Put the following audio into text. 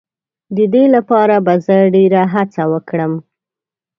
د دې لپاره به زه ډېر هڅه وکړم.